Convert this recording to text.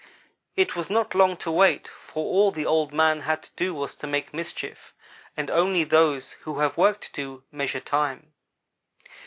"It was not long to wait, for all the Old man had to do was to make mischief, and only those who have work to do measure time.